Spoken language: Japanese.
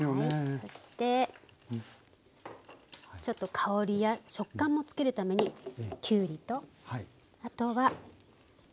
そしてちょっと香りや食感もつけるためにきゅうりとあとはトマトですね。